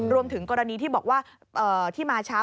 รวมถึงกรณีที่บอกว่าที่มาเช้า